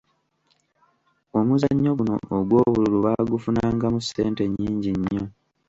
Omuzannyo guno ogw'obululu baagufunangamu ssente nnyingi nnyo.